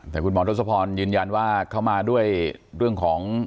แต่คุณหมอทศพรยืนยันว่าเข้ามาด้วยเรื่องของ